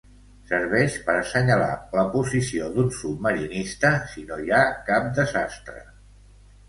Serveix per assenyalar la posició d'un submarinista si no hi ha cap desastre.